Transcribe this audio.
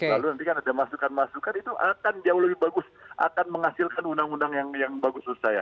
lalu nanti kan ada masukan masukan itu akan jauh lebih bagus akan menghasilkan undang undang yang bagus menurut saya